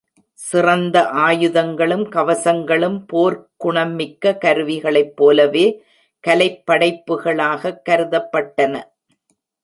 சிறந்த ஆயுதங்களும் கவசங்களும் போர்க்குணமிக்க கருவிகளைப் போலவே கலைப் படைப்புகளாகக் கருதப்பட்டன.